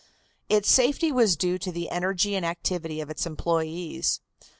Its safety was due to the energy and activity of its employees.